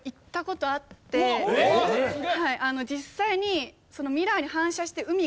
実際に。